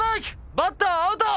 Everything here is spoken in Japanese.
バッターアウト！